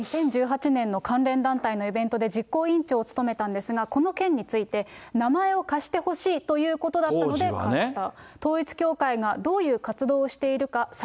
２０１８年の関連団体のイベントで実行委員長を務めたんですが、この件について、名前を貸しほしいということだったので貸した。